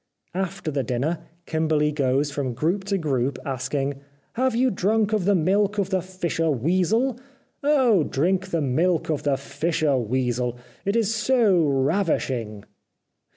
After the dinner, Kimberly goes from group to group asking :" Have you drunk of the milk of the fisher weasel ? Oh ! Drink the milk of the fisher weasel. ... It is so ravishing